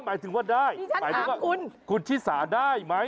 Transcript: ก็หมายถึงว่าได้คุณทิสาได้ไหม